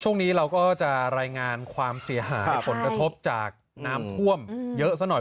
ช่วงนี้เราก็จะรายงานความเสียหายผลกระทบจากน้ำท่วมเยอะซะหน่อย